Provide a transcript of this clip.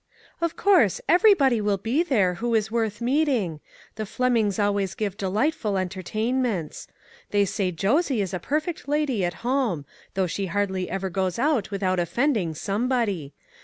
"Of course, everybody will be there who is worth meeting. The Flemings always give delightful entertainments. They say Josie ia a perfect lady at home ; though she hardly ever goes out without offending somebody.